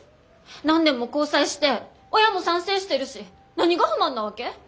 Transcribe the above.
何年も交際して親も賛成してるし何が不満なわけ？